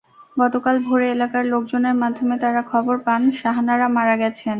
গতকাল ভোরে এলাকার লোকজনের মাধ্যমে তাঁরা খবর পান শাহানারা মারা গেছেন।